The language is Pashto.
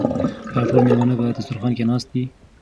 آیا ټول مېلمانه په دسترخوان کې ناست دي؟